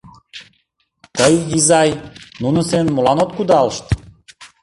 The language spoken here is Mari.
— Тый, изай, нунын семын молан от кудалышт?